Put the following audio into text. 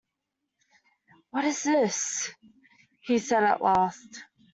‘What is this?’ he said at last.